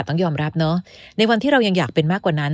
ต้องยอมรับเนอะในวันที่เรายังอยากเป็นมากกว่านั้น